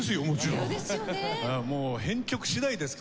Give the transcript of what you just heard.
もう編曲次第ですからね。